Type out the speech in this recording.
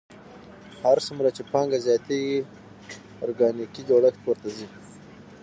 هر څومره چې پانګه زیاتېږي ارګانیکي جوړښت پورته ځي